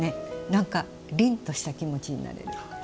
なんかりんとした気持ちになれる。